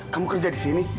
kamu kerja disini